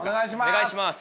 お願いします。